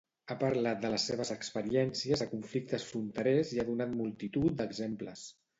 Ha parlat de les seves experiències a conflictes fronterers i ha donat multitud d'exemples.